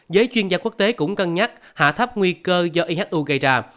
giới chuyên gia quốc tế cũng cân nhắc hạ thấp nguy cơ do ihu gây ra